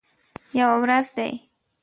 یوه ورځ دي